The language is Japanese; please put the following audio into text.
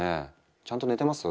ちゃんと寝てます？